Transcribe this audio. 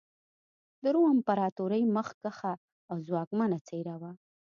د روم امپراتورۍ مخکښه او ځواکمنه څېره وه.